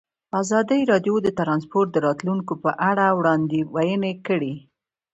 ازادي راډیو د ترانسپورټ د راتلونکې په اړه وړاندوینې کړې.